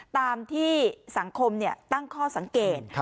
ตามที่สังคมตั้งข้อสังเกต